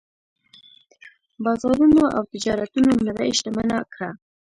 بازارونو او تجارتونو نړۍ شتمنه کړه.